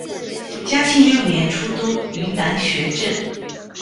嘉庆六年出督云南学政。